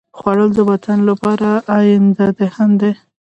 خوړل د بدن لپاره ایندھن دی